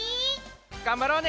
がんばろうね！